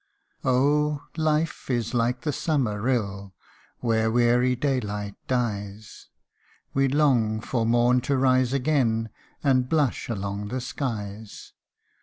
OH ! life is like the summer rill, where weary daylight dies ; We long for morn to rise again, and blush along the skies.